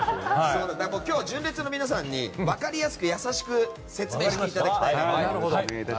今日は純烈の皆さんに分かりやすく優しく説明していただきたいなと。